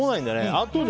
あとで。